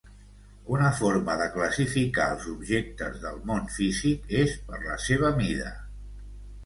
Una forma de classificar els objectes del món físic és per la seva mida.